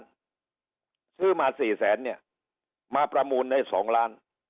ซื้อมา๔แสนมาประมูลใน๒ล้าน